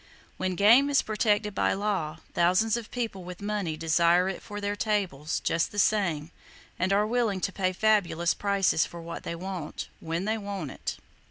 When game is protected by law, thousands of people with money desire it for their tables, just the same, and are willing to pay fabulous prices for what they want, when they want it.